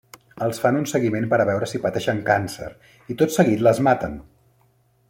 Els fan un seguiment per a veure si pateixen càncer, i tot seguit, les maten.